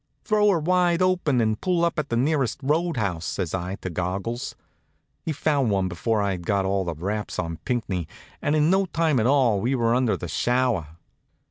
"Throw her wide open and pull up at the nearest road house," says I to Goggles. He found one before I'd got all the wraps on Pinckney, and in no time at all we were under the shower.